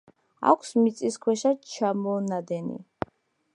აქვს მიწისქვეშა ჩამონადენი.